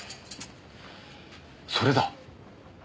それだ。